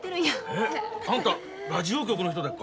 えっあんたラジオ局の人でっか。